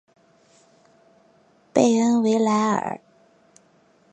贝恩维莱尔。